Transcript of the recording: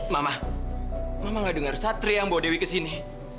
mama mama gak denger satria yang bawa dewi kesini